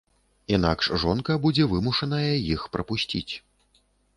Інакш жонка будзе вымушаная іх прапусціць.